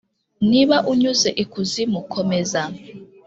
"niba unyuze ikuzimu komeza."